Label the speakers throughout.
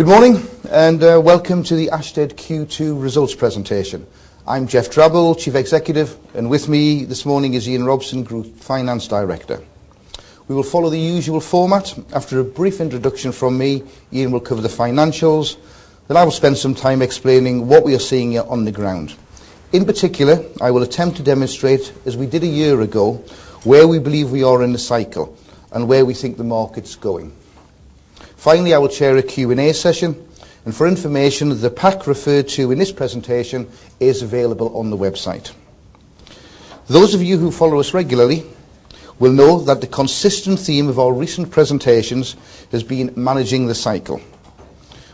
Speaker 1: Good morning, and welcome to the Ashtead Q2 results presentation. I'm Geoff Drabble, Chief Executive and with me this morning is Ian Robson, Group Finance Director. We will follow the usual format. After a brief introduction from me, Ian will cover the financials, then I will spend some time explaining what we are seeing here on the ground. In particular, I will attempt to demonstrate, as we did a year ago, where we believe we are in the cycle and where we think the market is going. Finally, I will share a Q and A session. And for information, the pack referred to in this presentation is available on the website. Those of you who follow us regularly will know that the consistent theme of our recent presentations has been managing the cycle.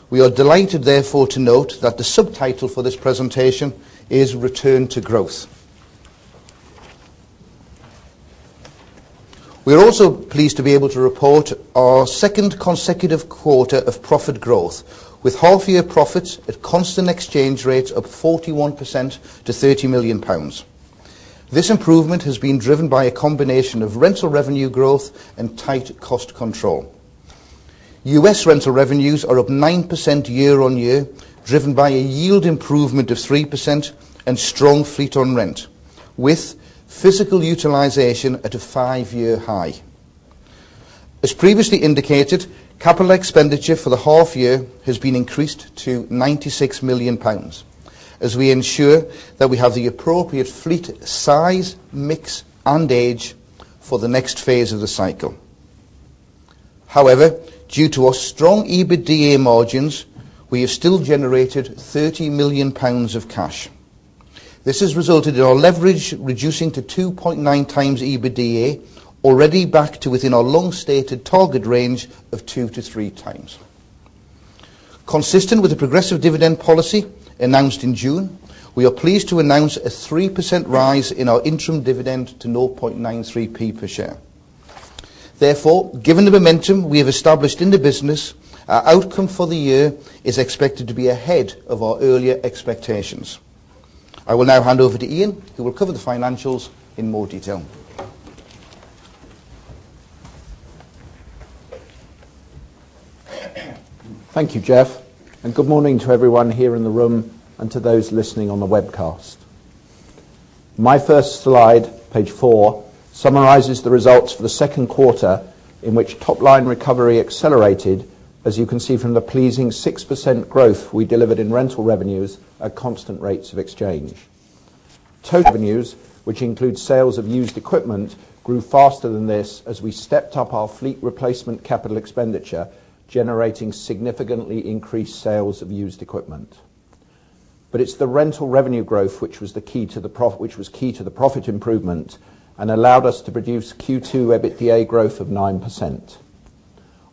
Speaker 1: We are delighted therefore to note that the subtitle for this presentation is Return to Growth. We are also pleased to be able to report our 2nd consecutive quarter of profit growth with half year profits at constant exchange rates of 41 percent to £30,000,000 This improvement has been driven by a combination of rental revenue growth and tight cost control. U. S. Rental revenues are up 9% year on year driven by a yield improvement of 3% and strong fleet on rent, with physical utilization at a 5 year high. As previously indicated, capital expenditure for the half year has been increased to £96,000,000 as we ensure that we have the appropriate fleet size, mix and age for the next phase of the cycle. However, due to our strong EBITDA margins, we have still generated £30,000,000 of cash. This has resulted in our leverage reducing to 2.9 times EBITDA, already back to within our long stated target range of 2 to 3 times. Consistent with the progressive dividend policy announced in June, we are pleased to announce a 3% rise in our interim dividend to 0.93p per share. Therefore, given the momentum we have established in the business, our outcome for the year is expected to be ahead of our earlier expectations. I will now hand over to Iain, who will cover the financials in more detail.
Speaker 2: Thank you, Geoff, and good morning to everyone here in the room to those listening on the webcast. My first slide, page 4, summarizes the results for the 2nd quarter in which top line recovery accelerated as you can see from the pleasing 6% growth we delivered in rental revenues at constant rates of exchange. Total revenues which includes sales of used equipment grew faster than this as we stepped up our fleet replacement capital expenditure generating significantly increased sales of used equipment. But it's the rental revenue growth which was key to the profit improvement and allowed us to produce Q2 EBITDA growth of 9%.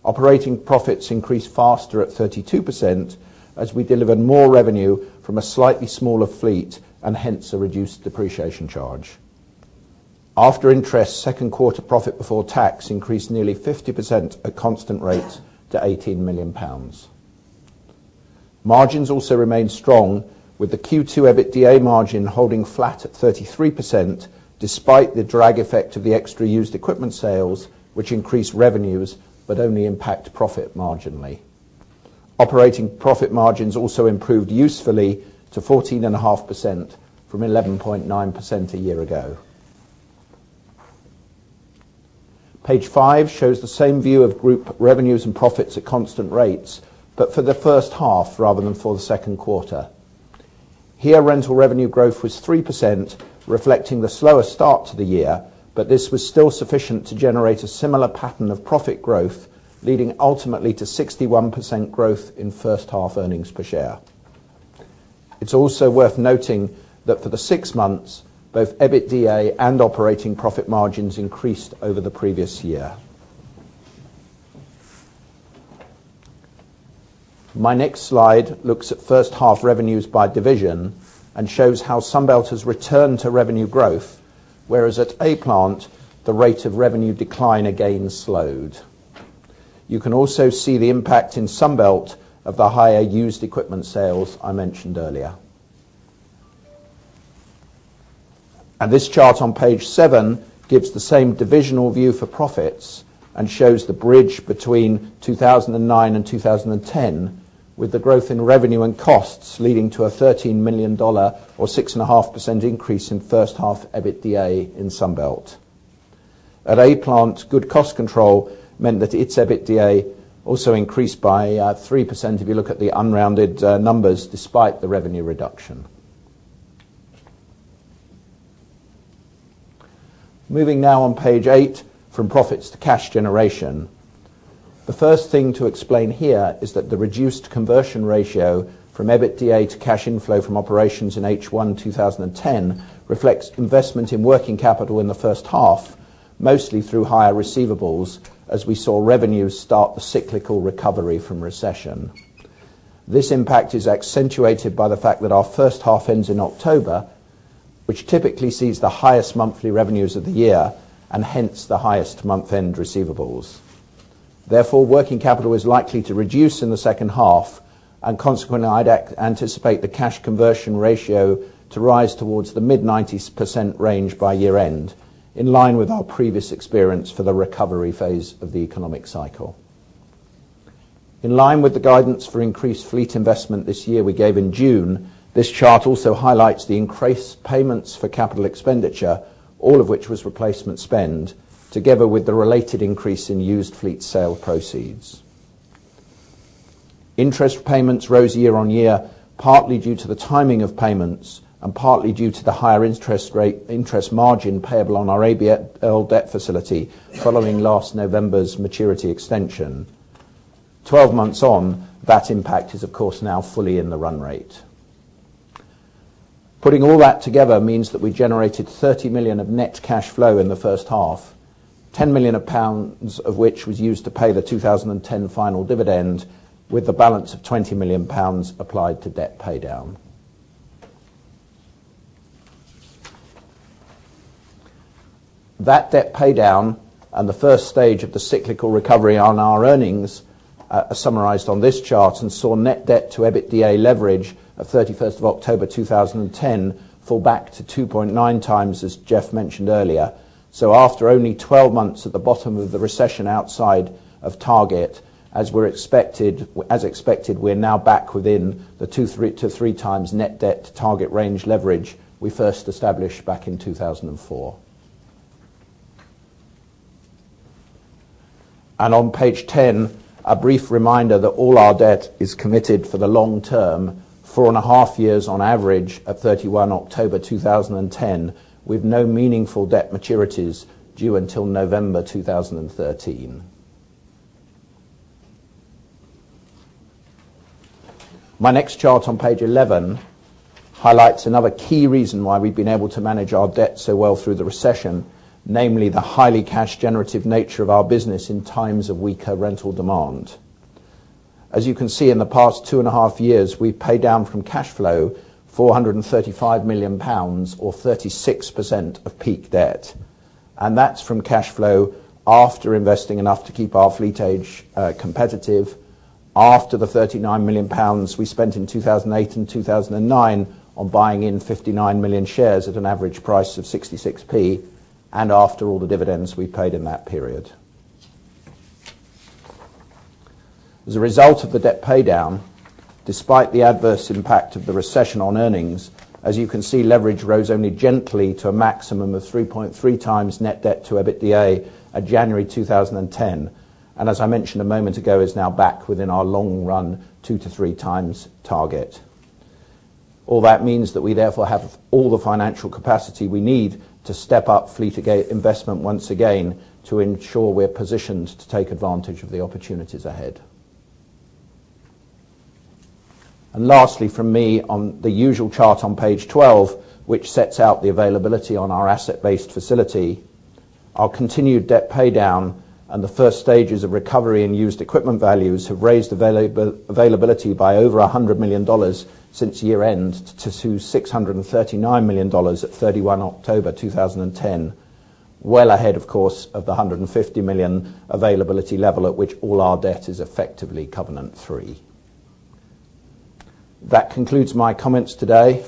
Speaker 2: Operating profits increased faster at 32% as we delivered more revenue from a slightly smaller fleet and hence a reduced depreciation charge. After interest 2nd quarter profit before tax increased nearly 50% at constant rate to £18,000,000 Margins also remained strong with the Q2 EBITDA margin holding flat at 33% despite the drag effect of the extra used equipment sales which increased revenues but only impact profit marginally. Operating profit margins also improved usefully to 14.5% from 11.9% a year ago. Page 5 shows the same view of group revenues and profits at constant rates, but for the first half rather than for the second quarter. Here rental revenue growth was 3%, reflecting the slower start to the year, but this was still sufficient to generate a similar pattern of profit growth, leading ultimately to 61% growth in first half earnings per share. It's also worth noting that for the 6 months, both EBITDA and operating profit margins increased over the previous year. My next slide looks at first half revenues by division and shows how Sunbelt has returned to revenue growth whereas at A Plant, the rate of revenue decline again slowed. You can also see the impact in Sunbelt of the higher used equipment sales I mentioned earlier. And this chart on Page 7 gives the same divisional view for profits and shows the bridge between 2,0092010 with the growth in revenue and costs leading to a $13,000,000 or 6.5% increase in first half EBITDA in Sunbelt. At A Plant, good cost control meant that its EBITDA also increased by 3% if you look at the unrounded numbers despite the revenue reduction. Generation. The first thing to explain here is that the reduced conversion ratio from EBITDA to cash inflow from operations in H1 2010 reflects investment in working capital in the first half mostly through higher receivables as we saw revenue start the cyclical recovery from recession. This impact is accentuated by the fact that our first half ends in October which typically sees the highest monthly revenues of the year and hence the highest month end receivables. Therefore, working capital is likely to reduce in the second half and consequently I'd anticipate the cash conversion ratio to rise towards the mid-ninety percent range by year end in line with our previous experience for the recovery phase of the economic cycle. In line with the guidance for increased fleet investment this year we gave in June, this chart also highlights the increased payments for capital expenditure all of which was replacement spend together with the related increase in used fleet sale proceeds. Interest payments rose year on year partly due to the timing of payments and partly due to the higher interest rate interest margin payable on our ABL debt facility following last November's maturity extension. 12 months on that impact is of course now fully in the run rate. Putting all that together means that we generated £30,000,000 of net cash flow in the first half, £10,000,000 of which was used to pay the 2010 final dividend with the balance of £20,000,000 applied to debt pay down. That debt pay down and the first stage of the cyclical recovery on our earnings are summarized on this chart and saw net debt to EBITDA leverage at 31st October, 2010 fall back to 2.9 times as Jeff mentioned earlier. So after only 12 months at the bottom of the recession outside of target, as expected we're now back within the 2x to 3x net debt to target range leverage we first established back in 2004. And on Page 10, a brief reminder that all our debt is committed for the long term 4.5 years on average at 31 October 2010 with no meaningful debt maturities due until November 2013. My next chart on page 11 highlights another key reason why we've been able to manage our debt so well through the recession, namely the highly cash generative nature of our business in times of weaker rental demand. As you can see in the past two and a half years, we paid down from cash flow £435,000,000 or 36 percent of peak debt. And that's from cash flow after investing enough to keep our fleet age competitive, after the £39,000,000 we spent in 2,008 and 2,009 on buying in 59,000,000 shares at an average price of 66p and after all the dividends we paid in that period. As a result of the debt pay down, despite the adverse impact of the recession on earnings, as you can see leverage rose only gently a maximum of 3.3x net debt to EBITDA at January 2010 and as I mentioned a moment ago is now back within our long run 2 to 3 times target. All that means that we therefore have all the financial capacity we need to step up fleet investment once again to ensure we're positioned to take advantage of the opportunities ahead. And lastly from me on the usual chart on Page 12, which sets out the availability on our asset based facility, our continued debt pay down and the first stages of recovery in used equipment values have raised availability by over $100,000,000 since year end to $639,000,000 at 31 October 2010, well ahead of course of the $150,000,000 availability level at which all our debt is effectively covenant 3. That concludes my comments today.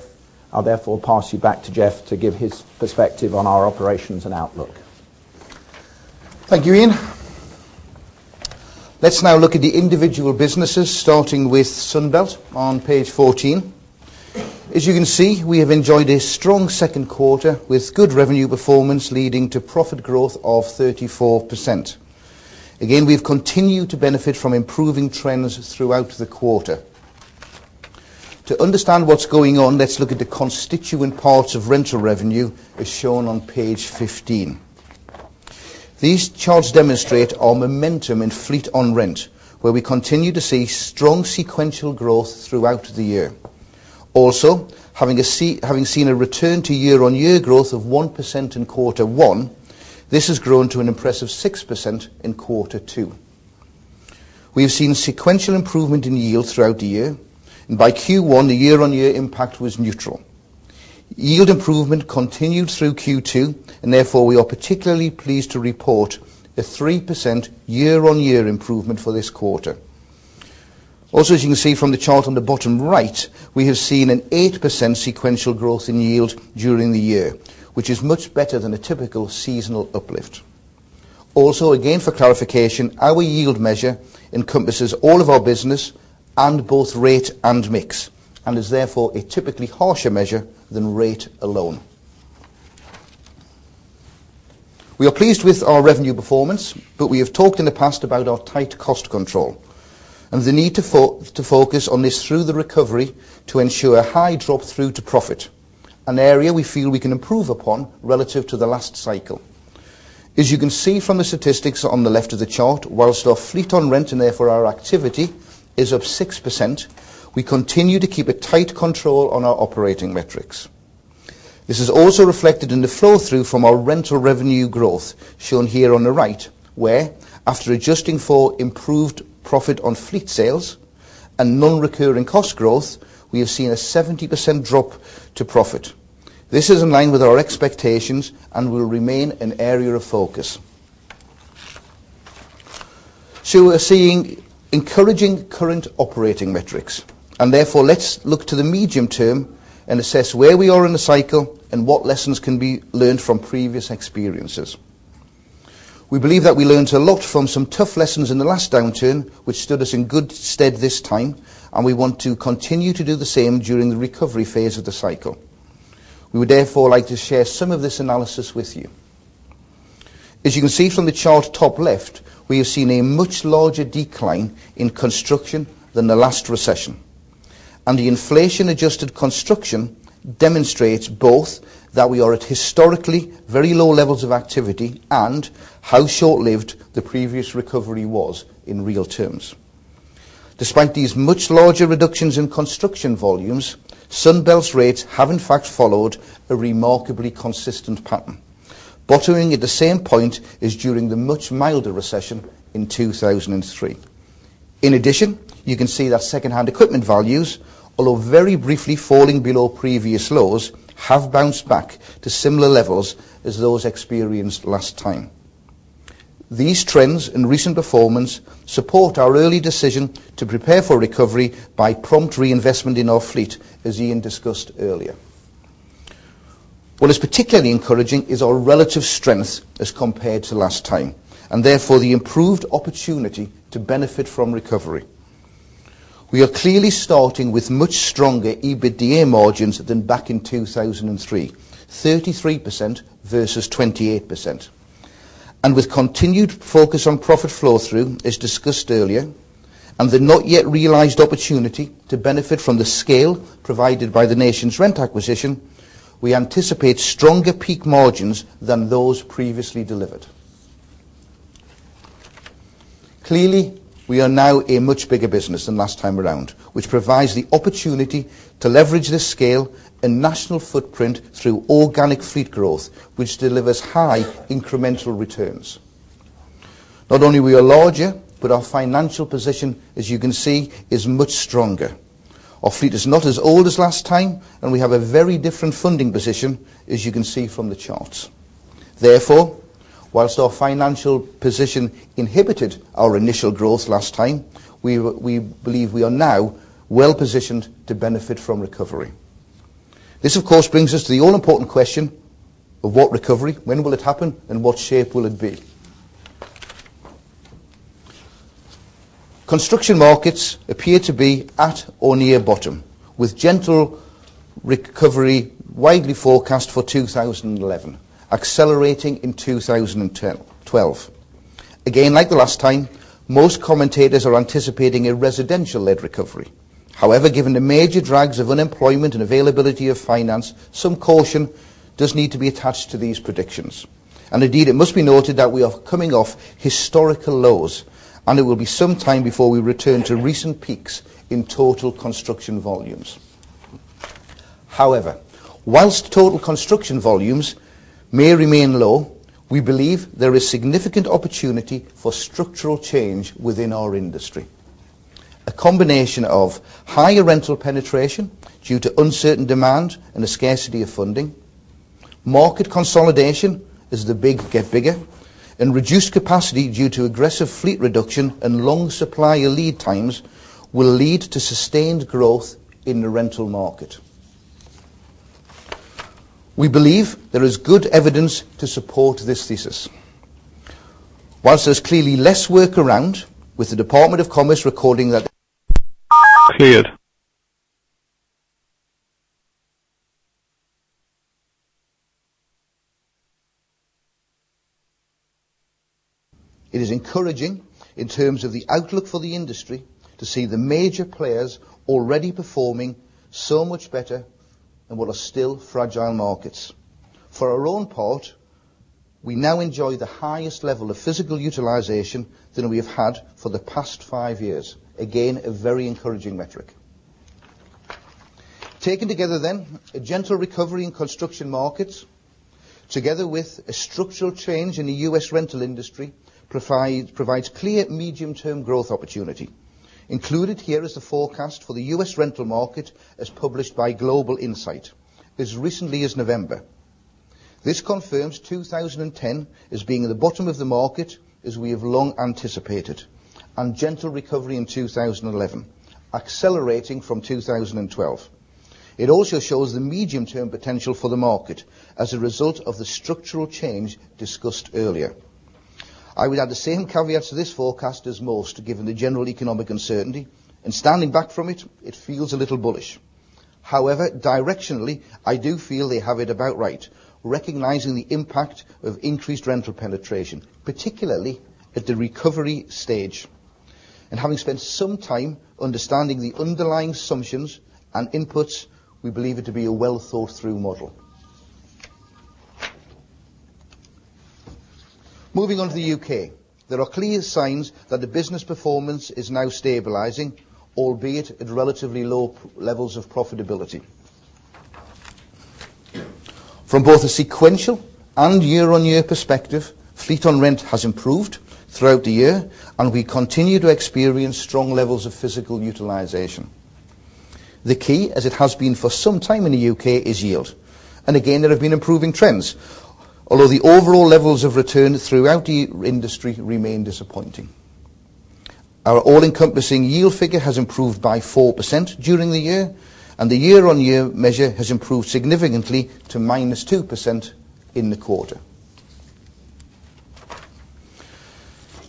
Speaker 2: I'll therefore pass you back to Jeff to give his perspective on our operations and outlook.
Speaker 1: Thank you, Ian. Let's now look at the individual businesses starting with Sunbelt on page 14. As you can see, we have enjoyed a strong second quarter with good revenue performance leading to profit growth of 34%. Again, we've continued to benefit from improving trends throughout the quarter. To understand what's going on, let's look at constituent parts of rental revenue as shown on page 15. These charts demonstrate our momentum in fleet on rent where we continue to see strong sequential growth throughout the year. Also having seen a return to year on year growth of 1% in quarter 1, this has grown to an impressive 6% in quarter 2. We have seen sequential improvement in yields throughout the year. And by Q1 the year on year impact was neutral. Yield improvement continued through Q2 and therefore we are particularly pleased to report a 3% year on year improvement for this quarter. Also as you can see from the chart on the bottom right, we have seen an 8% sequential growth in yield during the year, which is much better than a typical seasonal uplift. Also again for clarification, our yield measure encompasses all of our business and both rate and mix and is therefore a typically harsher measure than rate alone. We are pleased with our revenue performance, but we have talked in the past about our tight cost control and the need to focus on this through the recovery to ensure high drop through to profit, an area we feel we can improve upon relative to the last cycle. As you can see from the statistics on the left of the chart, whilst our fleet on rent and therefore our activity is up 6%, we continue to keep a tight control on our operating metrics. This is also reflected in the flow through from our rental revenue growth shown here on the right where after adjusting for improved profit on fleet sales and non recurring cost growth, we have seen a 70% drop to profit. This is in line with our expectations and will remain an area of focus. So we're seeing encouraging current operating metrics and therefore let's look to the medium term and assess where we are in the cycle and what lessons can be learned from previous experiences. We believe that we learned a lot from some tough lessons in the last downturn, which stood us in good stead this time, and we want to continue to do the same during the recovery phase of the cycle. We would therefore like to share some of this analysis with you. As you can see from the chart top left, we have seen a much larger decline in construction than the last recession and the inflation adjusted construction demonstrates both that we are at historically very low levels of activity and how short lived the previous recovery was in real terms. Despite these much larger reductions in construction volumes Sunbelt's rates have in fact followed a remarkably consistent pattern. Bottoming at the same point is during the much milder recession in 2003. In addition, you can see that secondhand equipment values, although very briefly falling below previous lows, have bounced back to similar levels as those experienced last time. These trends and recent performance support our early decision to prepare for recovery by prompt reinvestment in our fleet as Ian discussed earlier. What is particularly encouraging is our relative strength as compared to last time and therefore the improved opportunity to benefit from recovery. We are clearly starting with much stronger EBITDA margins than back in 2003, 33% versus 28%. And with continued focus on profit flow through as discussed earlier and the not yet realized opportunity to benefit from the scale provided by the nation's rent acquisition, we anticipate stronger peak margins than those previously delivered. Clearly, we are now a much bigger business than last time around, which provides the opportunity to leverage this scale and national footprint through organic fleet growth, which delivers high incremental returns. Not only we are larger but our financial position as you can see is much stronger. Our fleet is not as old as last time and we have a very different funding position as you can see from the charts. Therefore, whilst our financial position inhibited our initial growth last time, we believe we are now well positioned to benefit from recovery. This of course brings us to the all important question of what recovery, when will it happen and what shape will it be. Construction markets appear to be at or near bottom with gentle recovery widely forecast for 2011, accelerating in 2012. Again, like the last time, most commentators are anticipating a residential led recovery. However, given the major drags of unemployment and availability of finance, some caution does need to be attached to these predictions. And indeed it must be noted that we are coming off historical lows and it will be some time before we return to recent peaks in total construction volumes. However, whilst total construction volumes may remain low, we believe there is significant opportunity for structural change within our industry. A combination of higher rental penetration due to uncertain demand and a scarcity of funding, market consolidation as the big get bigger and reduced capacity due to aggressive fleet reduction and long supplier lead times will lead to sustained growth in the rental market. We believe there is good evidence to support this thesis. Whilst there's clearly less workaround with the Department of Commerce recording that It is encouraging in terms of the outlook for the industry to see the major players already performing so much better in what are still fragile markets. For our own part, we now enjoy the highest level of physical utilization than we have had for the past 5 years, again a very encouraging metric. Taken together then, a gentle recovery in construction markets, together with a structural change in the U. S. Rental industry, provides clear medium term growth opportunity. Included here is the forecast for the U. S. Rental market as published by Global Insight as recently as November. This confirms 2010 as being at the bottom of the market as we have long anticipated and gentle recovery in 2011, accelerating from 2012. It also shows the medium term potential for the market as a result of the structural change discussed earlier. I would add the same caveat to this forecast as most given the general economic uncertainty and standing back from it, it feels a little bullish. However, directionally, I do feel they have it about right, recognizing the impact of increased rental penetration, particularly at the recovery stage. And having spent some time understanding the underlying assumptions and inputs, we believe it to be a well thought through model. Moving on to the U. K. There are clear signs that the business performance is now stabilizing, albeit at relatively low levels of profitability. From both a sequential and year on year perspective, fleet on rent has improved throughout the year and we continue to experience strong levels of physical utilization. The key as it has been for some time in the UK is yield. And again, there have been improving trends, although the overall levels of return throughout the industry remain disappointing. Our all encompassing yield figure has improved by 4% during the year and the year on year measure has improved significantly to minus 2% in the quarter.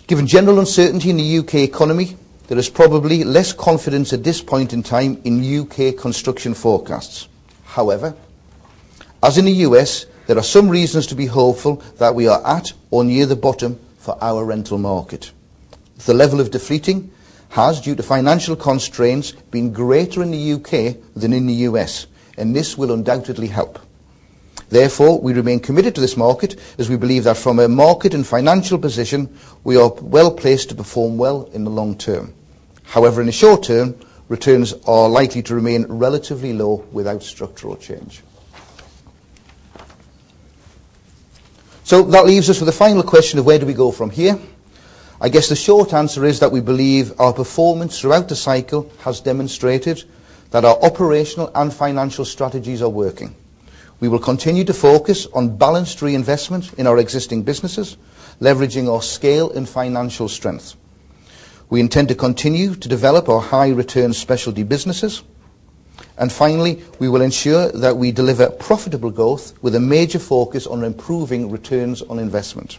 Speaker 1: Given general uncertainty in the UK economy, there is probably less confidence at this point in time in UK construction forecasts. However, as in the U. S. There are some reasons to be hopeful that we are at or near the bottom for our rental market. The level of de fleeting has due to financial constraints been greater in the UK than in the US and this will undoubtedly help. Therefore, we remain committed to this market as we believe that from a market and financial position, we are well placed to perform well in the long term. However, in the short term, returns are likely to remain relatively low without structural change. So that leaves us with the final question of where do we go from here. I guess the short answer is that we believe our performance throughout the cycle has demonstrated that our operational and financial strategies are working. We will continue to focus on balanced reinvestments in our existing businesses, leveraging our scale and financial strength. We intend to continue to develop our high return specialty businesses. And finally, we will ensure that we deliver profitable growth with a major focus on improving returns on investment.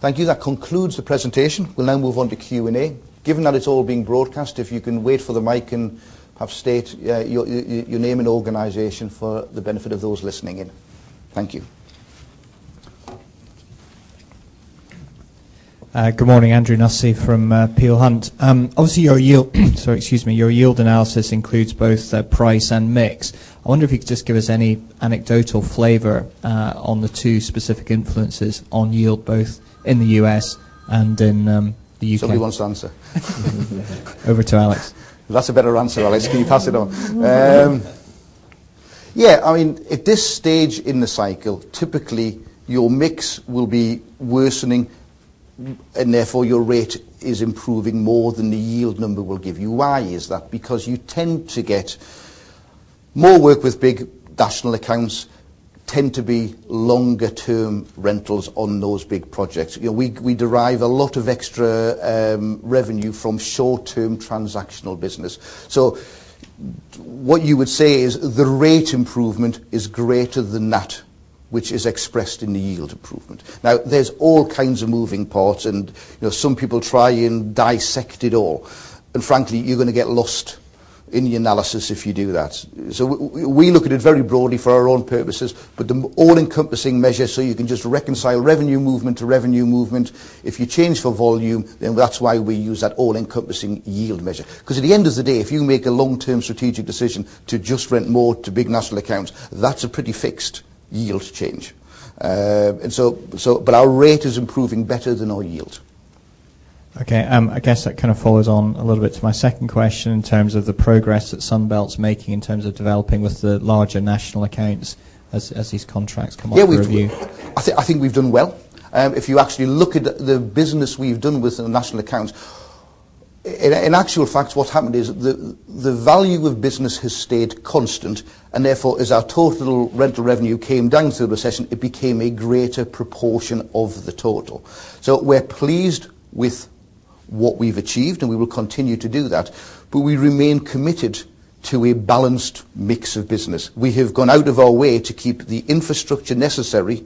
Speaker 1: Thank you. That concludes the presentation. We'll now move on to Q and A. Given that it's all being broadcast, if you can wait for the mic and state your name and organization for the benefit of those listening in. Thank you.
Speaker 3: Good morning. Andrew Nussey from Peel Hunt. Obviously, your yield sorry, excuse me, your yield analysis includes both price and mix. I wonder if you could just give us any anecdotal flavor on the 2 specific influences on yield, both in the U. S. And in the UK.
Speaker 1: Somebody wants to answer.
Speaker 3: Over to Alex.
Speaker 1: That's a better answer, Alex. Can you pass it on? Yes, I mean at this stage in the cycle typically your mix will be worsening and therefore your rate is improving more than the yield number will give you. Why is that? Because you tend to get more work with big national accounts tend to be longer term rentals on those big projects. We derive a lot of extra revenue from short term transactional business. So what you would say is the rate improvement is greater than that, which is expressed in the yield improvement. Now there's all kinds of moving parts and some people try and dissect it all. And frankly, you're going to get lost in the analysis if you do that. So we look at it very broadly for our own purposes, but the all encompassing measure, so you can just reconcile revenue movement to revenue movement. If you change the volume, then that's why we use that all encompassing yield measure. Because at the end of the day, if you make a long term strategic decision to just rent more to big national accounts, that's a pretty fixed yield change. And so but our rate is improving better than our yields.
Speaker 3: Okay. I guess that kind of follows on a little bit to my second question in terms of the progress that Sunbelt's making in terms of developing with the larger national accounts as these contracts come
Speaker 1: on review? I think we've done well. If you actually look at the business we've done with the national accounts, in actual fact what happened is the value of business has stayed constant and therefore as our total rental revenue came down through the recession it became a greater proportion of the total. So we're pleased with what we've achieved and we will continue to do that, but we remain committed to a balanced mix of business. We have gone out of our way to keep the infrastructure necessary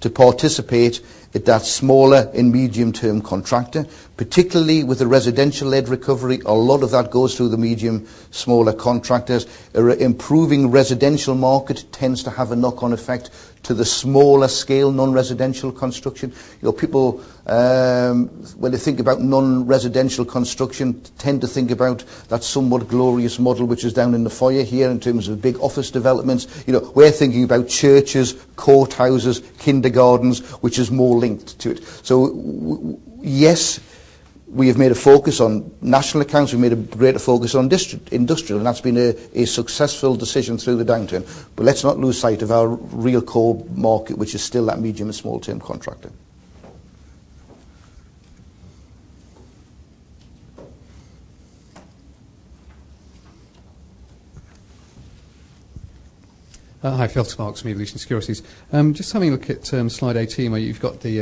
Speaker 1: to participate at that smaller and medium term contractor, particularly with the residential led recovery. A lot of that goes through the medium smaller contractors. Improving residential market tends to have a knock on effect to the smaller scale non residential construction. People, when they think about non residential construction, tend to think about that somewhat glorious model which is down in the foyer here in terms of big office developments. We're thinking about churches, court houses, kindergartens which is more linked to it. So yes, we have made a focus on national accounts. We made a greater focus on industrial and that's been a successful decision through the downturn. But let's not lose sight of our real core market which is still that medium to small term contracting.
Speaker 4: Hi, Phil Sparks from New York Region Securities. Just having a look at Slide 18, where you've got the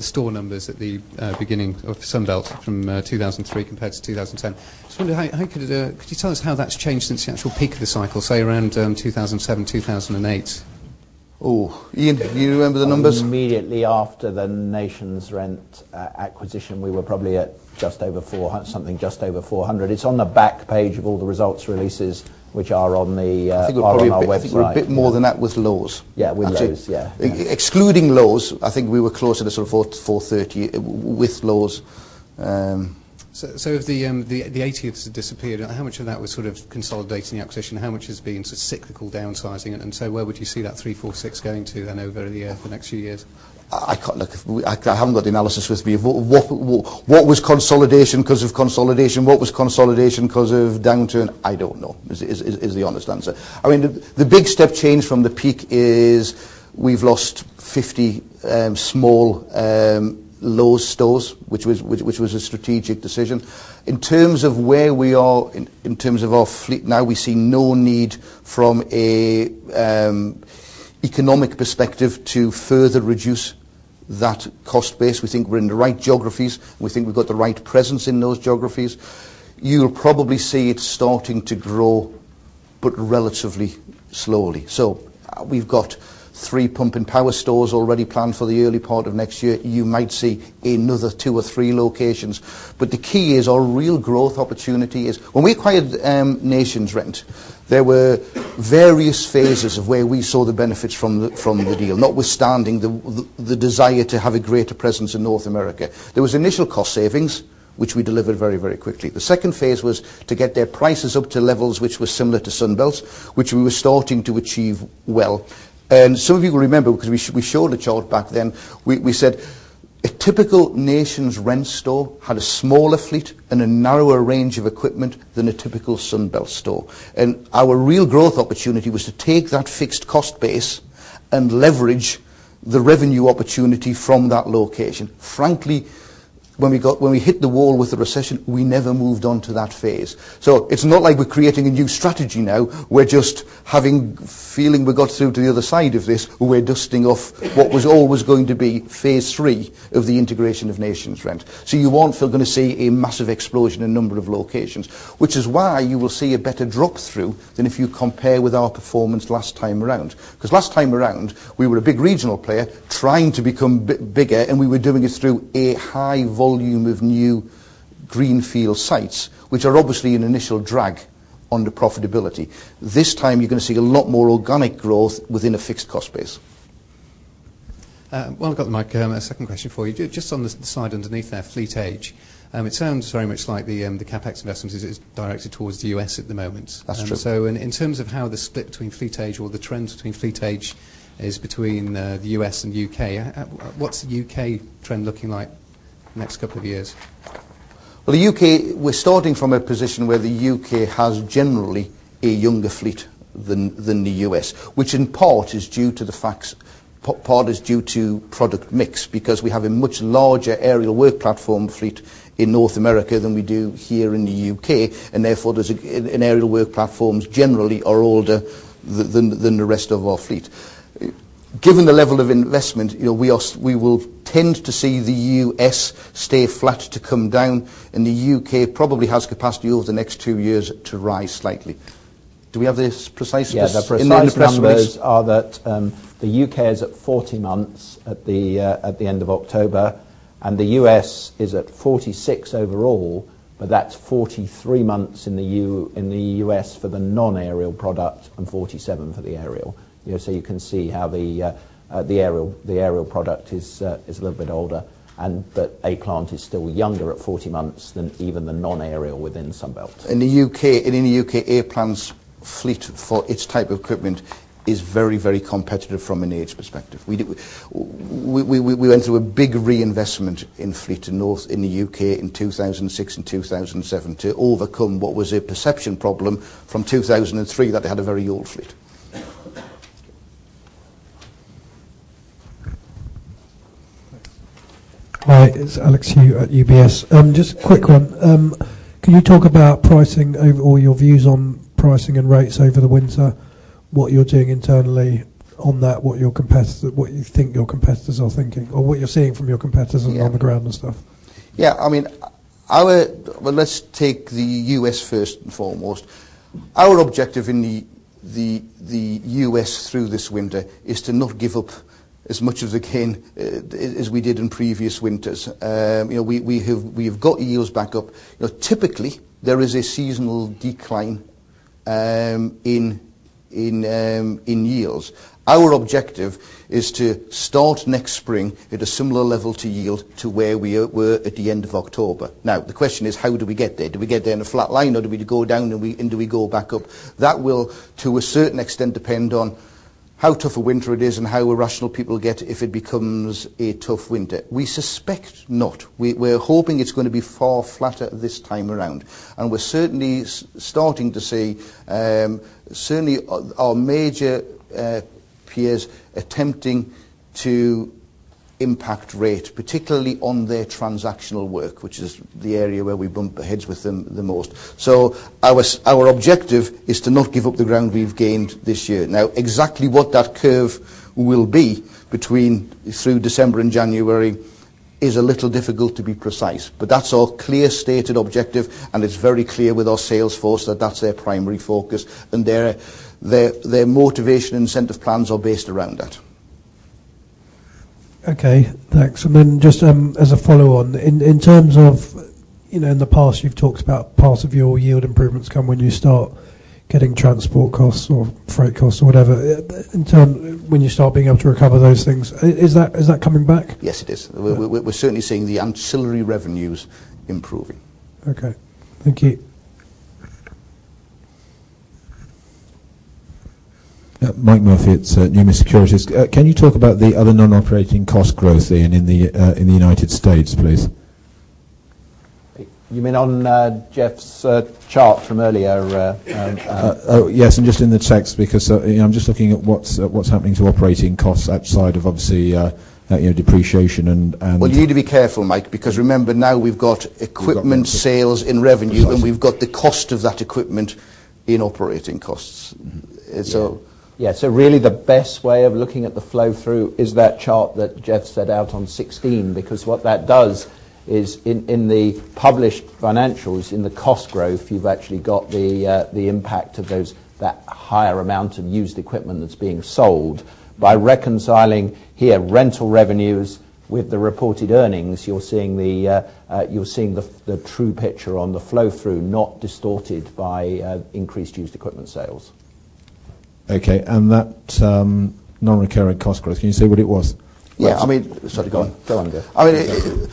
Speaker 4: store numbers at the beginning of the Sundal from 2,003 compared to 2010. So how could you tell us how that's changed since the actual peak of the cycle, say around 2,007, 2008?
Speaker 1: Oh, Ian, do you remember the numbers?
Speaker 2: Immediately after the Nations Rent acquisition, we were probably at just over something just over 400. It's on the back page of all the results releases, which are on the It's a
Speaker 1: good part of your website. A bit more than that with Lowe's.
Speaker 2: Yes, with Lowe's, yes.
Speaker 1: Excluding Lowe's, I think we were closer to sort of 4.30 with Lowe's.
Speaker 4: So if the 80th has disappeared, how much of that was consolidating the acquisition? How much has been cyclical downsizing? And so where would you see that 3, 4, 6 going to then over the year for the next few years?
Speaker 1: I can't look, I haven't got the analysis with me. What was consolidation because of consolidation? What was consolidation because of downturn? I don't know is the honest answer. I mean the big step change from the peak is we've lost 50 small Lowe's stores, which was a strategic decision. In terms of where we are in terms of our fleet now, we see no need from an economic perspective to further reduce that cost base. We think we're in the right geographies. We think we've got the right presence in those geographies. You'll probably see it starting to grow, but relatively slowly. So we've got 3 pump and power stores already planned for the early part of next year. You might see another 2 or 3 locations. But the key is our real growth opportunity is when we acquired Nations Rent, there were various phases where we saw the benefits from the deal, notwithstanding the desire to have a greater presence in North America. There was initial cost savings, which we delivered very, very quickly. The second phase was to get their prices up to levels which were similar to Sunbelt, which we were starting to achieve well. And some of you will remember because we showed a chart back then, we said a typical nation's rent store had a smaller fleet and a narrower range of equipment than a typical Sunbelt store. And our real growth opportunity was to take that fixed cost base and leverage the revenue opportunity from that location. Frankly, when we got when we hit the wall with the recession, we never moved on to that phase. So it's not like we're creating a new strategy now. We're just having feeling we got through to the other side of this where we're dusting off what was always going to be Phase 3 of the integration of Nations' rent. So you won't feel going to see a massive explosion in a number of locations, which is why you will see a better drop through than if you compare with our performance last time around. Because last time around, we were a big regional player trying to become bigger and we were doing this through a high volume of new greenfield sites, which are obviously an initial drag on the profitability. This time you're going to see a lot more organic growth within a fixed cost base.
Speaker 4: Well, I've got the mic. And my second question for you. Just on the slide underneath there, Fleet Age. It sounds very much like the CapEx investments is directed towards the U. S. At the moment.
Speaker 1: That's true.
Speaker 4: So in terms of how the split between fleet age or the trends between fleet age is between the U. S. And U. K, what's the U. K. Trend looking like next couple of years?
Speaker 1: Well, the U. K, we're starting from a position where the UK has generally a younger fleet than the U. S, which in part is due to the fact, part is due to product mix because we have a much larger aerial work platform fleet in North America than we do here in the UK and therefore there's an aerial work platforms generally are older than the rest of our fleet. Given the level of investment, we will tend to see the U. S. Stay flat to come down and the U. K. Probably has capacity over the next 2 years to rise slightly. Do we have this precisely? Yes. The numbers
Speaker 2: are that the UK is at 40 months at the end of October and the U. S. Is at 46 overall, but that's 43 months in the U. S. For the non aerial product and 47 for the aerial. So you can see how the aerial product is a little bit older and but A Plant is still younger at 40 months than even the non aerial within Sunbelt.
Speaker 1: In the UK, air plant's fleet for its type of equipment is very, very competitive from an age perspective. We went through a big reinvestment in Fleeter North in the UK in 2,000 and six-two thousand and seven to overcome what was a perception problem from 2,003 that they had a very old fleet.
Speaker 5: Hi, it's Alex Hu at UBS. Just a quick one. Can you talk about pricing or your views on pricing and rates over the winter? What you're doing internally on that, what your competitors what you think your competitors are thinking or what you're seeing from your competitors on the ground and stuff?
Speaker 1: Yes. I mean, our well, let's take the U. S. 1st and foremost. Our objective in the U. S. Through this winter is to not give up as much of the cane as we did in previous winters. We have got yields back up. Typically, there is a seasonal decline in yields. Our objective is to start next spring at a similar level to yield to where we were at the end of October. Now the question is how do we get there? Do we get there in a flat line or do we go down and do we go back up? That will to a certain extent depend on how tough a winter it is and how irrational people get if it becomes a tough winter. We suspect not. We're hoping it's going to be far flatter this time around And we're certainly starting to see certainly our major peers attempting to impact rate particularly on their transactional work which is the area where we bump ahead with them the most. So our objective is to not give up the ground we've gained this year. Now exactly what that curve will be between through December January is a little difficult to be precise. But that's all clear stated objective and it's very clear with our sales force that that's their primary focus. And their motivation incentive plans are based around that.
Speaker 5: Okay. Thanks. And then just as a follow on, in terms of in the past, you've talked about part of your yield improvements come when you start getting transport costs or freight costs or whatever, when you start being able to recover those things. Is that coming back?
Speaker 1: Yes, it is. We're certainly seeing the ancillary revenues improving.
Speaker 5: Okay. Thank you.
Speaker 6: Mike Murphy, Numis Securities. Can you talk about the other non operating cost growth in the United States, please?
Speaker 2: You mean on Jeff's chart from earlier?
Speaker 6: Yes, I'm just in the text because I'm just looking at what's happening to operating costs outside of obviously depreciation and Well,
Speaker 1: you need to be careful, Mike, because remember now we've got equipment sales in revenue and we've got the cost of that equipment in operating costs.
Speaker 2: Yes. So really the best way of looking at the flow through is that chart that Jeff set out on 2016 because what that does is in the published financials, in the cost growth, you've actually got the impact of those that higher amount of used equipment that's being sold. By reconciling here rental revenues with the reported earnings, you're seeing the true picture on the flow through, not distorted by increased used equipment sales.
Speaker 6: Okay. And that non recurring cost growth, can you say what it was? Yes.
Speaker 1: I mean sorry, go on. Go on, go. I mean,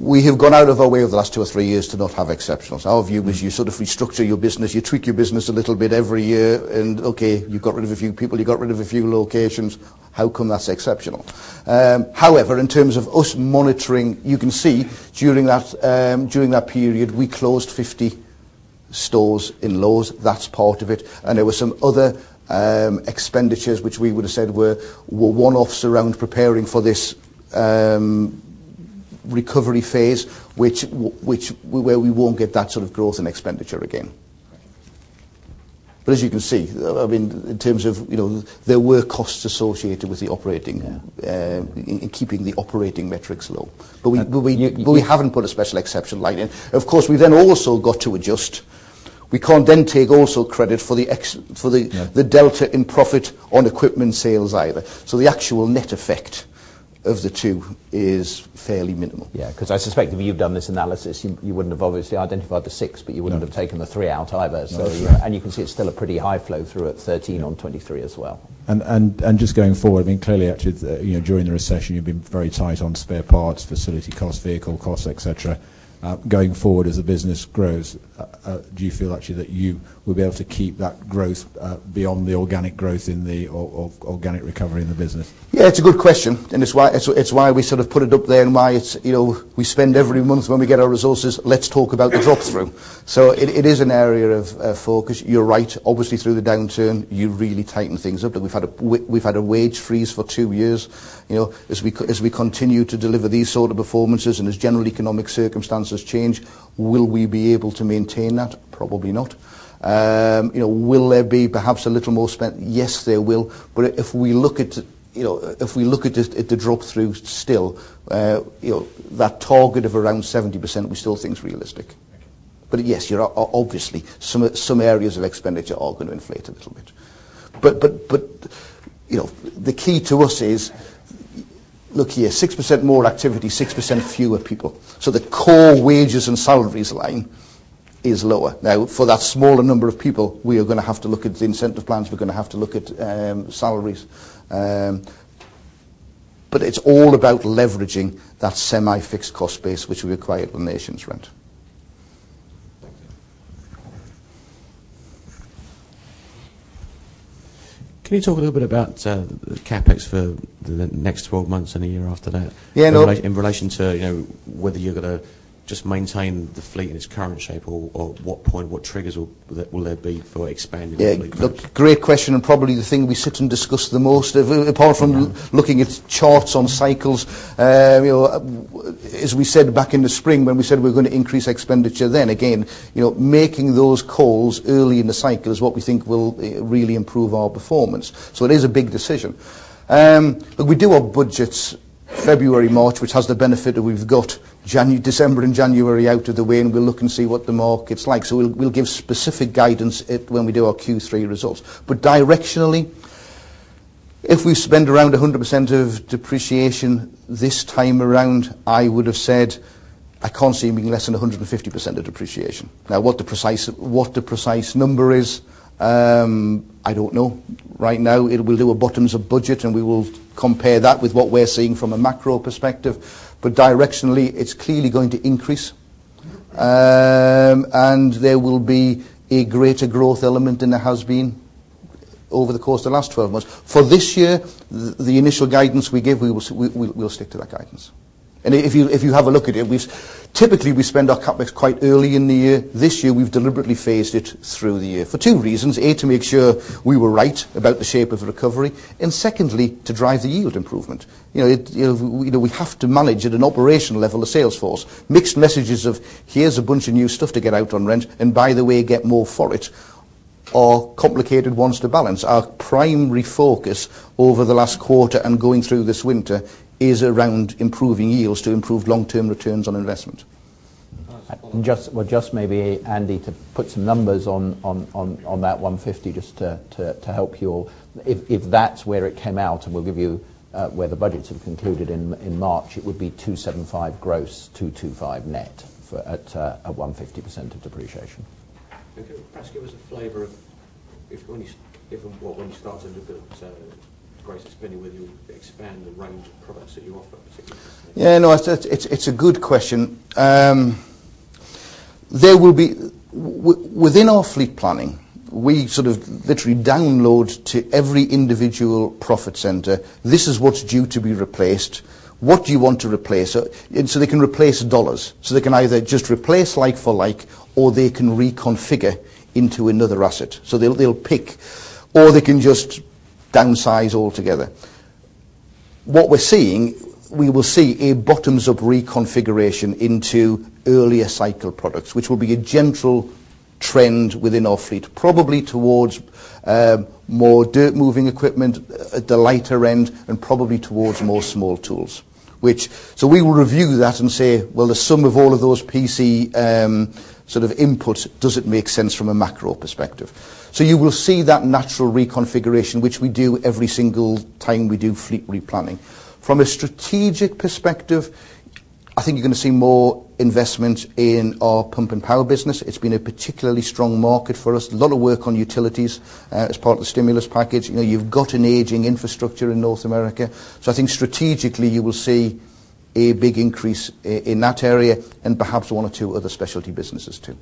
Speaker 1: we have gone out of our way over the last 2 or 3 years to not have exceptional. Our view is you sort of restructure your business, you tweak your business a little bit every year and okay, you've got rid of a few people, you've got rid of a few locations, how come that's exceptional. However, in terms of us monitoring, you can see during that period we closed 50 stores in Lowes, that's part of it. And there were some other expenditures which we would have said were one offs around preparing for this recovery phase, which where we won't get that sort of growth in expenditure again. But as you can see, I mean, in terms of there were costs associated with the operating and keeping the operating metrics low. But we haven't put a special exception line in. Of course, we then also got to adjust. We can't then take also credit
Speaker 5: for
Speaker 1: the delta in profit on equipment sales either. So the actual net effect of the 2 is fairly minimal.
Speaker 2: Yes. Because I suspect if you've done this analysis, you wouldn't have obviously identified the 6, but you wouldn't have taken the 3 out either.
Speaker 1: And you
Speaker 2: can see it's still a pretty high flow through at 13 on 23 as well.
Speaker 6: And just going forward, I mean, clearly, actually, during the recession, you've been very tight on spare parts, facility costs, vehicle costs, etcetera. Going forward as the business grows, do you feel actually that you will be able to keep that growth beyond the organic growth in the organic recovery in the business?
Speaker 1: Yes, it's a good question. And it's why we sort of put it up there and why it's we spend every month when we get our resources, let's talk about the drop through. So it is an area of focus. You're right, obviously through the downturn, you really tighten things up. And we've had a wage freeze for 2 years. As we continue to deliver these sort of performances and as general economic circumstances change, will we be able to maintain that? Probably not. Will there be perhaps a little more spend? Yes, there will. But if we look at the drop through still, that target of around 70% we still think is realistic. But yes, obviously some areas of expenditure are going to inflate a little bit. But the key to us is, look here 6% more activity, 6% fewer people. So the core wages and salaries line is lower. Now for that smaller number of people, we are going to have to look at the incentive plans. We're going to have to look at salaries. But it's all about leveraging that semi fixed cost base which will be acquired on Nations Rent.
Speaker 7: Can you talk a little bit about CapEx for the next 12 months and the year after that? Yes. In relation to whether you're going to just maintain the fleet in its current shape or at what point, what triggers will there be for expanding fleet? Yes.
Speaker 1: Look, great question. And probably the thing we sit and discuss the most, apart from looking at charts on cycles, as we said back in the spring when we said we're going to increase expenditure then again making those calls early in the cycle is what we think will really improve our performance. So it is a big decision. We do our budgets February, March, which has the benefit that we have got December January out of the way and we will look and see what the market is like. So we'll give specific guidance when we do our Q3 results. But directionally, if we spend around 100% of depreciation this time around, I would have said, I can't see it being less than 150% of depreciation. Now what the precise number is, I don't know. Right now, it will do a bottoms up budget and we will compare that with what we're seeing from a macro perspective. But directionally, it's clearly going to increase. And there will be a greater growth element than there has been over the course of the last 12 months. For this year, the initial guidance we gave, we will stick to that guidance. And if you have a look at it, typically we spend our CapEx quite early in the year. This year we've deliberately phased it through the year for two reasons: a, to make sure we were right about the shape of the recovery and secondly, to drive the yield improvement. We have to manage at an operational level of sales force mixed messages of here's a bunch of new stuff to get out on rent and by the way get more for it are complicated ones to balance. Our primary focus over the last quarter and going through this winter is around improving yields to improve long term returns on investment.
Speaker 2: Well, just maybe, Andy, to put some numbers on that £150,000,000 just to help you. If that's where it came out and we'll give you where the budgets have concluded in March, it would be 2.75 gross, 2.25 net at 150% of depreciation.
Speaker 7: Okay. Can you just give us a flavor of if you want to give and what when you started to build gross spending with you expand the range of products that you offer particularly?
Speaker 1: Yes. No, it's a good question. There will be within our fleet planning, we sort of literally download to every individual profit center this is what's due to be replaced. What do you want to replace? So they can replace dollars. So they can either just replace like for like or they can reconfigure into another asset. So they'll pick or they can just downsize altogether. What we're seeing, we will see a bottoms up reconfiguration into earlier cycle products, which will be a general trend within our fleet, probably towards more dirt moving equipment at the lighter end and probably towards more small tools, which so we will review that and say, well, the sum of all of those PC sort of inputs, does it make sense from a macro perspective? So you will see that natural reconfiguration, which we do every single time we do fleet replanning. From a strategic perspective, I think you're going to see more investments in our pump and power business. It's been a particularly strong market for us. A lot of work on utilities as part of the stimulus package. You've got an aging infrastructure in North America. So I think strategically you will see a big increase in that area and perhaps 1 or 2 other specialty businesses too.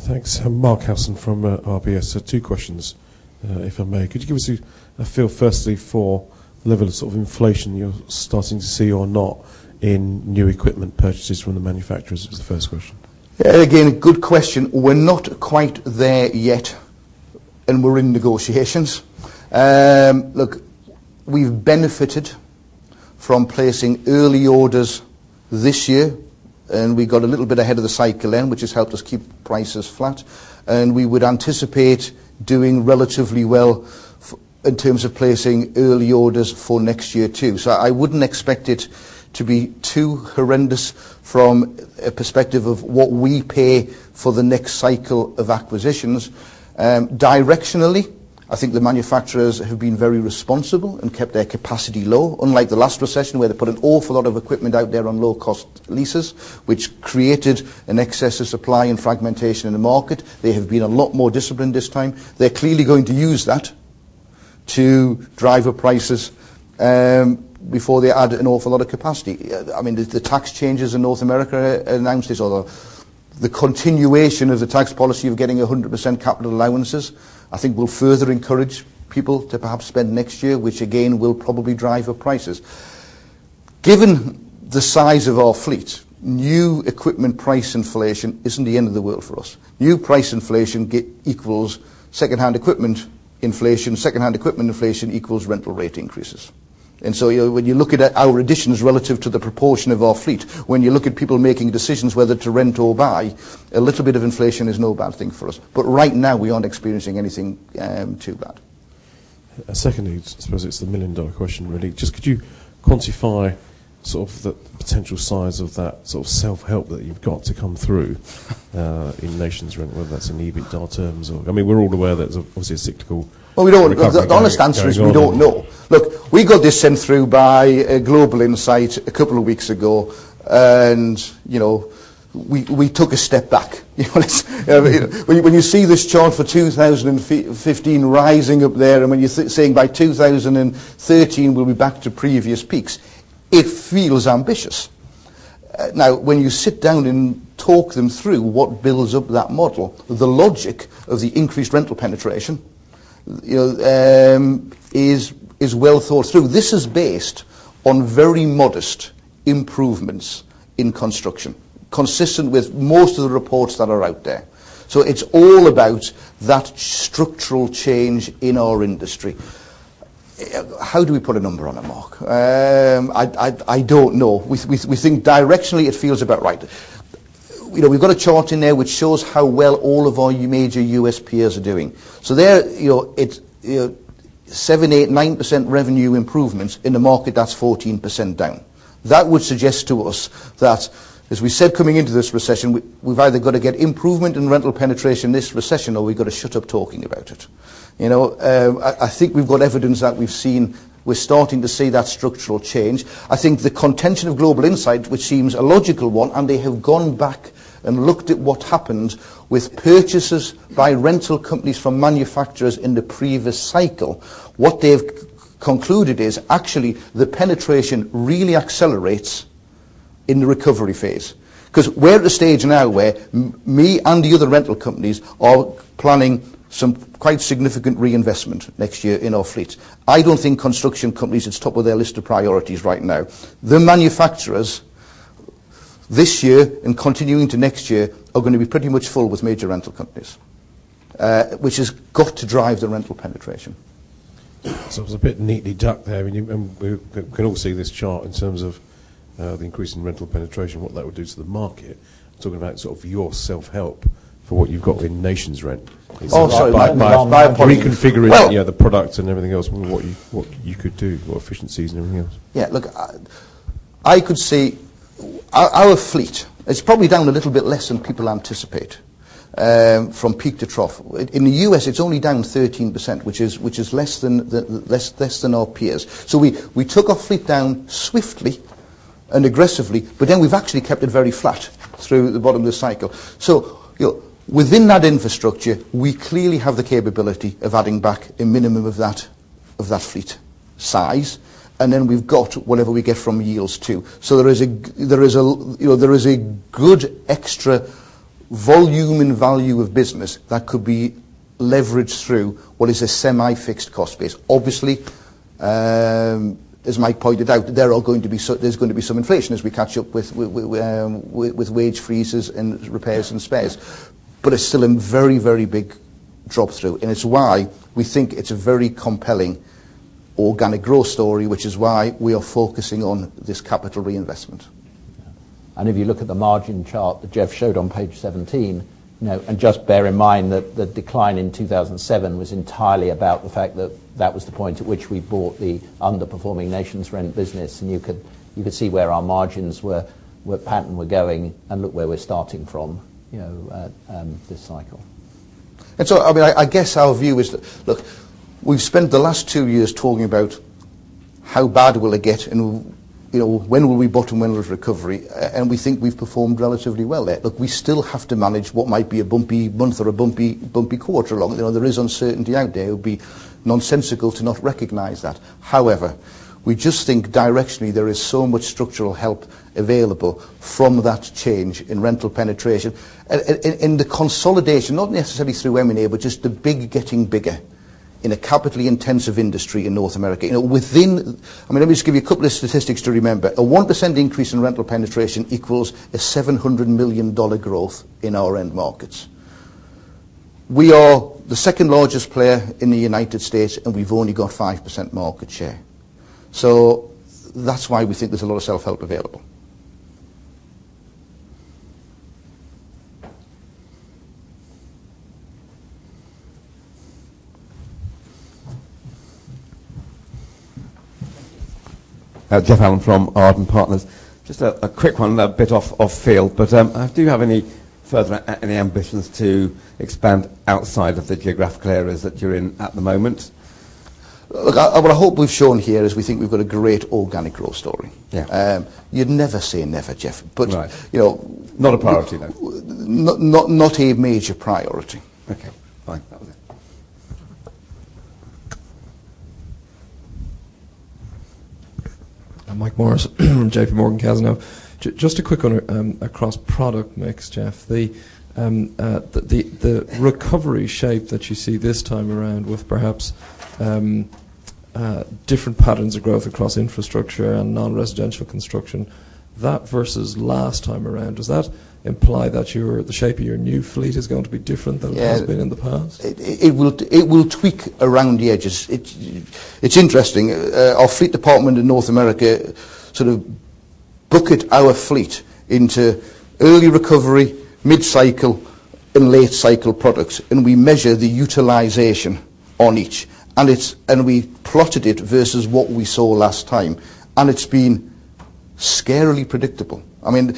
Speaker 8: Thanks. Mark Harrison from RBS. Two questions, if I may. Could you give us a feel firstly for level of sort of inflation you're starting to see or not in new equipment purchases from the manufacturers is the first question?
Speaker 1: Again, good question. We're not quite there yet and we're in negotiations. Look, we've benefited from placing early orders this year and we got a little bit ahead of the cycle then, which has helped us keep prices flat. And we would anticipate doing relatively well in terms of placing early orders for next year too. So I wouldn't expect it to be too horrendous from a perspective of what we pay for the next cycle of acquisitions. Directionally, I think the manufacturers have been very responsible and kept their capacity low unlike the last recession where they put an awful lot of equipment out there on low cost leases, which created an excess of supply and fragmentation in the market. They have been a lot more disciplined this time. They're clearly going to use that to drive prices before they add an awful lot of capacity. I mean, the tax changes in North America announced this or the continuation of the tax policy of getting 100 percent capital allowances I think will further encourage people to perhaps spend next year which again will probably drive up prices. Given the size of our fleet, new equipment price inflation isn't the end of the world for us. New price inflation equals secondhand equipment inflation, secondhand equipment inflation equals rental rate increases. And so when you look at our additions relative to the proportion of our fleet, when you look at people making decisions whether to rent or buy, a little bit of inflation is no bad thing for us. But right now, we aren't experiencing anything too bad.
Speaker 8: Secondly, I suppose it's the $1,000,000 question really. Just could you quantify sort of the potential size of that sort of self help that you've got to come through in Nations rent, whether that's an EBITDA terms or I mean, we're all aware that it's obviously a cyclical
Speaker 1: Well, we don't because the honest answer is we don't know. Look, we got this sent through by Global Insight a couple of weeks ago. And we took a step back. When you see this chart for 2015 rising up there and when you're saying by 2013 we'll be back to previous peaks, It feels ambitious. Now when you sit down and talk them through what builds up that model, the logic of the increased rental penetration is well thought through. This is based on very modest improvements in construction consistent with most of the reports that are out there. So it's all about that structural change in our industry. How do we put a number on a mark? I don't know. We think directionally it feels about right. We've got a chart in there which shows how well all of our major U. S. Peers are doing. So there it's 7%, 8%, 9% revenue improvements in the market that's 14% down. That would suggest to us that as we said coming into this recession, we've either got to get improvement in rental penetration this recession or we've got to shut up talking about it. I think we've got evidence that we've seen we're starting to see that structural change. I think the contention of Global Insight which seems a logical one and they have gone back and looked at what happened with purchases by rental companies from manufacturers in the previous cycle. What they've concluded is actually the penetration really accelerates in the recovery phase because we're at the stage now where me and the other rental companies are planning some quite significant reinvestment next year in our fleet. I don't think construction companies is top of their list of priorities right now. The manufacturers this year and continuing to next year are going to be pretty much full with major rental companies, which has got to drive the rental penetration.
Speaker 8: So it was a bit neatly ducked there. And you can all see this chart in terms of the increase in rental penetration, what that would do to the market, talking about sort of your self help for what you've got in Nations Rent. Oh, so my point Reconfiguring the other products and everything else, what you could do, what efficiencies and everything else?
Speaker 1: Yes. Look, I could see our fleet, it's probably down a little bit less than people anticipate from peak to trough. In the U. S, it's only down 13%, which is less than our peers. So we took our fleet down swiftly and aggressively, but then we've actually kept it very flat through the bottom of the cycle. So within that infrastructure, we clearly have the capability of adding back a minimum of that fleet size. And then we've got whatever we get from yields too. So there is a good extra volume and value of business that could be leveraged through what is a semi fixed cost base. Obviously, as Mike pointed out, there are going to be there's going to be some inflation as we catch up with wage freezes and repairs and spares, but it's still in very, very big drop through. And it's why we think it's a very compelling organic growth story, which is why we are focusing on this capital reinvestment.
Speaker 2: And if you look at the margin chart that Jeff showed on page 17 and just bear in mind that the decline in 2,007 was entirely about the fact that that was the point at which we bought the underperforming Nations Rent business and you could see where our margins were, where patent were going and look where we're starting from this cycle.
Speaker 1: And so I mean, I guess our view is that look, we've spent the last 2 years talking about how bad will it get and when will we bottom, when will it recovery. And we think we've performed relatively well there. Look, we still have to manage what might be a bumpy month or a bumpy quarter. There is uncertainty out there. It would be nonsensical to not recognize that. However, we just think directionally there is so much structural help available from that change in rental penetration. And the consolidation, not necessarily through M and A, but just the big getting bigger in a capital intensive industry in North America. Within I mean let me just give you a couple of statistics to remember. A 1% increase in rental penetration equals a $700,000,000 growth in our end markets. We are the 2nd largest player in the United States and we've only got 5% market share. So that's why we think there's a lot of self help available.
Speaker 9: Geoff Allen from Arden Partners. Just a quick one, a bit off field, but do you have any further any ambitions to expand outside of the geographical areas that you're in at the moment?
Speaker 1: Look, what I hope we've shown here is we think we've got a great organic growth story. You'd never say never, Geoff.
Speaker 9: Not a priority, though.
Speaker 1: Not a major priority.
Speaker 10: Mike Morris from JPMorgan, CASN. Just a quick one across product mix, Jeff. The recovery shape that you see this time around with perhaps different patterns of growth across infrastructure and nonresidential construction, that versus last time around, does that imply that your the shape of your new fleet is going to be different than it has been in the past?
Speaker 1: Yes. It will tweak around the edges. It's interesting. Our fleet department in North America sort of bucket our fleet into early recovery, mid cycle and late cycle products and we measure the utilization on each and it's and we plotted it versus what we saw last time and it's been scarily predictable. I mean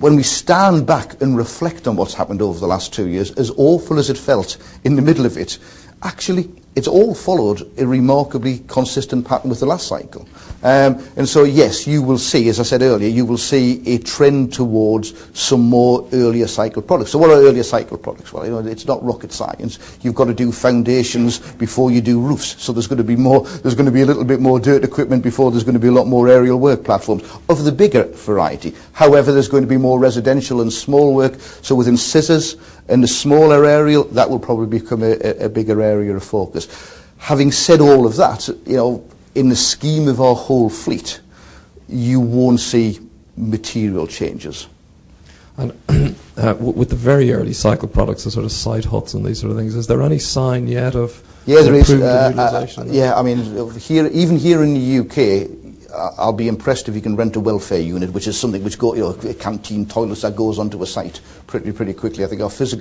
Speaker 1: when we stand back and reflect on what's happened over the last 2 years, as awful as it felt in the middle of it, actually, it's all followed a remarkably consistent pattern with the last cycle. And so yes, you will see, as I said earlier, you will see a trend towards some more earlier cycle products. So what are earlier cycle products? Well, it's not rocket science. You've got to do foundations before you do roofs. So there's going to be more there's going to be a little bit more dirt equipment before there's going to be a lot more aerial work platforms of the bigger variety. However, there's going to be more residential and small work. So within scissors and the smaller aerial that will probably become a bigger area of focus. Having said all of that, in the scheme of our whole fleet, you won't see material changes.
Speaker 10: And with the very early cycle products, the sort of site huts and these sort of things, is there any sign yet
Speaker 1: of proof of utilization? Yes, there is. Yes, I mean, even here in the U. K, I'll be impressed if you can rent a welfare unit, which is something which got your canteen toilets that goes onto a site pretty, pretty quickly. I think our